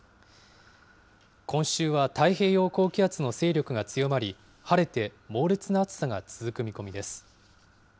今週は太平洋高気圧の勢力が強まり、晴れて猛烈な暑さが続く見込みです。